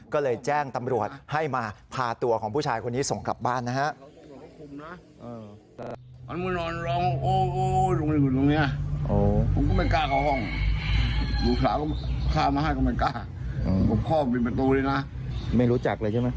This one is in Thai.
ก็เลยแจ้งตำรวจให้มาพาตัวของผู้ชายคนนี้ส่งกลับบ้านนะฮะ